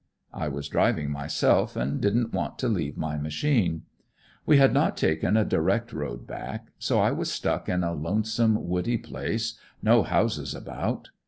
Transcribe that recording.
I was driving myself, and didn't want to leave my machine. We had not taken a direct road back; so I was stuck in a lonesome, woody place, no houses about.